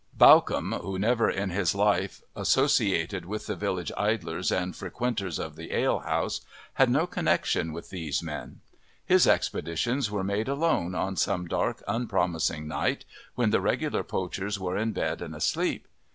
Bawcombe, who never in his life associated with the village idlers and frequenters of the alehouse, had no connexion with these men. His expeditions were made alone on some dark, unpromising night, when the regular poachers were in bed and asleep.